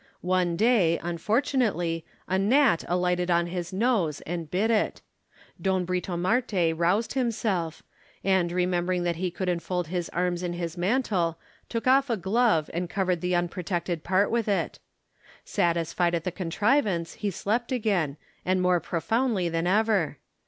One day, unfortunately, a gnat alighted on his nose and bit it. Don Britomarte roused himself ; and, remembering that he could enfold his arms in his mautlo, took oil" a glove and covered the 30 m6 imaginary conversations. unprotected part with it. Satisfied at the contrivance, ho slept again; and more profoundly than ever.